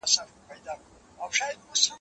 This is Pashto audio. د مېږیانو وې جرګې او مجلسونه